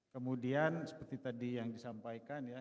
kemudian seperti tadi yang disampaikan ya